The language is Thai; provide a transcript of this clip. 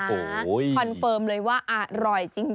คอนเฟิร์มเลยว่าอร่อยจริง